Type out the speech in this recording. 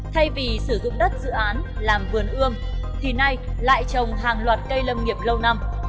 thay vì sử dụng đất dự án làm vườn ươm thì nay lại trồng hàng loạt cây lâm nghiệp lâu năm